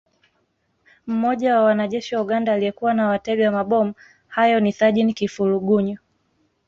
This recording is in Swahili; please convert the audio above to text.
Mmoja wa wanajeshi wa Uganda aliyekuwa na watega mabomu hayo ni Sajini Kifulugunyu